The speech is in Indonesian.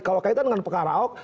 kalau kaitan dengan perkara ahok